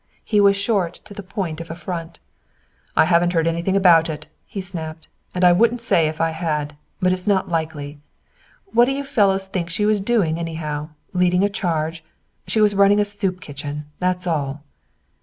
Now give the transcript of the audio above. He was short to the point of affront. "I haven't heard anything about it," he snapped. "And I wouldn't say if I had. But it's not likely. What d'you fellows think she was doing anyhow? Leading a charge? She was running a soup kitchen. That's all."